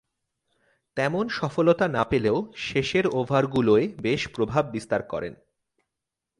তেমন সফলতা না পেলেও শেষের ওভারগুলোয় বেশ প্রভাব বিস্তার করেন।